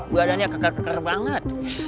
badannya keker keker banget